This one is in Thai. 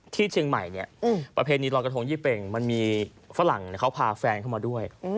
ที่เชียงใหม่เนี่ยประเพณีรอยกระทงยี่เป่งมันมีฝรั่งเขาพาแฟนเข้ามาด้วย